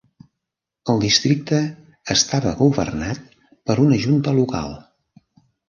El districte estava governat per una junta local.